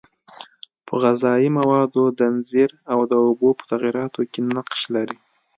په غذایي موادو ځنځیر او د اوبو په تغییراتو کې نقش لري.